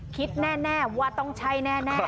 คิดแน่ว่าต้องใช่แน่